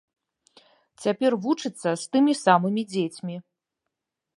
Цяпер вучыцца з тымі самымі дзецьмі.